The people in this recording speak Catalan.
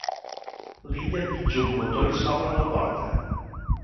L'Illa pitja un botó i s'obre la porta.